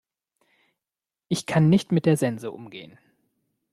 Ich kann nicht mit der Sense umgehen.